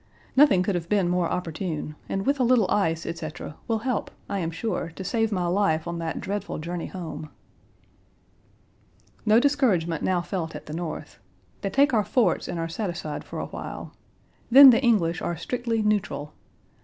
Nothing could have been more opportune, and with a little ice, etc., will help, I am sure, to save my life on that dreadful journey home. No discouragement now felt at the North. They take our forts and are satisfied for a while. Then the English Page 126 are strictly neutral.